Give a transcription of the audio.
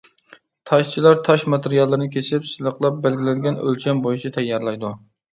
تاشچىلار تاش ماتېرىياللىرىنى كېسىپ، سىلىقلاپ بەلگىلەنگەن ئۆلچەم بويىچە تەييارلايدۇ.